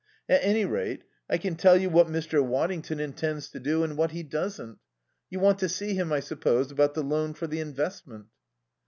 "At any rate, I can tell you what Mr. Waddington intends to do and what he doesn't. You want to see him, I suppose, about the loan for the investment?"